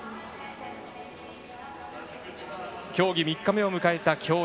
競技３日目を迎えた競泳。